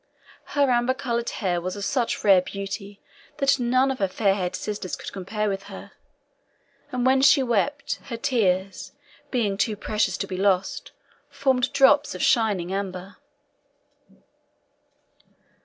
Her amber coloured hair was of such rare beauty that none of her fair haired sisters could compare with her, and when she wept, her tears, being too precious to be lost, formed drops of shining amber.